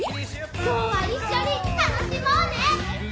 今日はいっしょに楽しもうね！